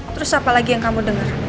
terus apa lagi yang kamu dengar